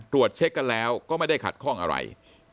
ตรวจเช็คกันแล้วก็ไม่ได้ขัดข้องอะไร